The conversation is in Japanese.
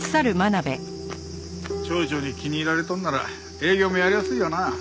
町長に気に入られとんなら営業もやりやすいわな。